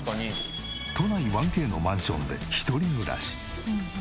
都内１Ｋのマンションで一人暮らし。